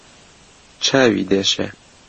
چاوی دێشێ